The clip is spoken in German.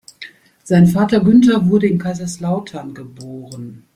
Sein Vater Günter wurde in Kaiserslautern geboren.